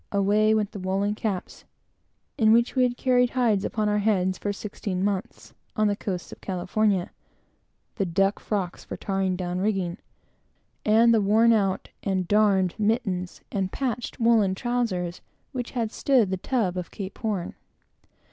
Away went the woollen caps in which we had carried hides upon our heads, for sixteen months, on the coast of California; the duck frocks, for tarring down rigging; and the worn out and darned mittens and patched woollen trowsers which had stood the tug of Cape Horn.